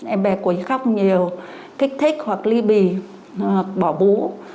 em bé quấy khóc nhiều kích thích hoặc ly bì hoặc bỏ bú